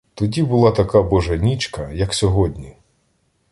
Тоді була така божа нічка, як сьогодні!